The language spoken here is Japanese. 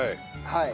はい。